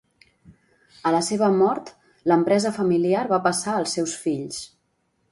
A la seva mort, l'empresa familiar va passar als seus fills.